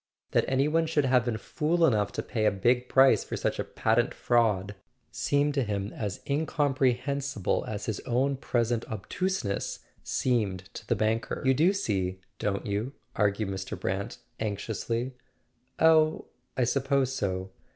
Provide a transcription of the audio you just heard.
That any one should have been fool enough to pay a big price for such a patent fraud seemed to him as incompre¬ hensible as his own present obtuseness seemed to the banker. "You do see, don't you?" argued Mr. Brant anx¬ iously. "Oh, I suppose so."